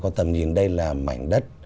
có tầm nhìn đây là mảnh đất